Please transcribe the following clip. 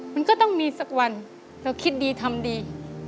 มันก็ต้องมีสักวันเราคิดดีทำดี